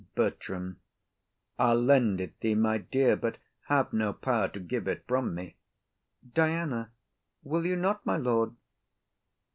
BERTRAM. I'll lend it thee, my dear, but have no power To give it from me. DIANA. Will you not, my lord?